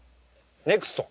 ネクスト。